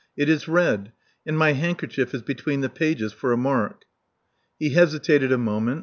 It is red; and my handker chief is between the pages for a mark." He hesitated a moment.